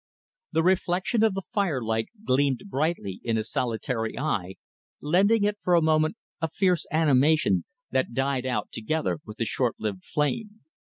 The reflection of the firelight gleamed brightly in his solitary eye, lending it for a moment a fierce animation that died out together with the short lived flame.